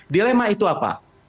dilema itu apa